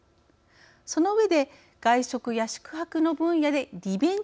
その上で、外食や宿泊の分野でリベンジ